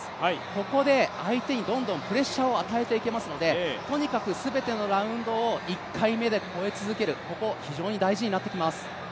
ここで相手にどんどんプレッシャーを与えていけますので、とにかく全てのラウンドを１回目で越え続ける、ここ、非常に大事になってきます。